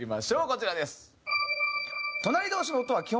こちらです。